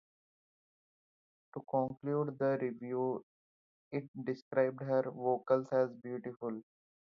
To conclude the review, it described her vocals as "beautiful".